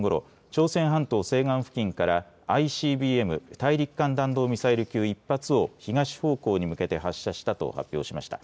朝鮮半島西岸付近からＩＣＢＭ大陸間弾道ミサイル級１発を東方向に向けて発射したと発表しました。